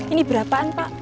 ini berapaan pak